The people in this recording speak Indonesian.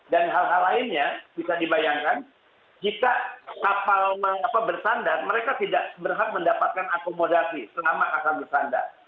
dan hal hal lainnya bisa dibayangkan jika kapal bersandar mereka tidak seberhak mendapatkan akomodasi selama asal bersandar